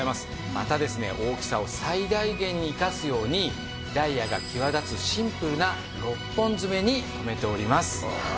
またですね大きさを最大限に生かすようにダイヤが際立つシンプルな６本爪に留めております。